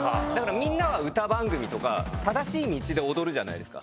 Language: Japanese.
みんなは歌番組とか正しい道で踊るじゃないですか。